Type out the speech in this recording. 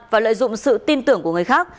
và lợi dụng sự tin tưởng của người khác